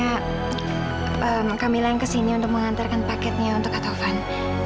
hai maka milang kesini untuk mengantarkan paketnya untuk atovan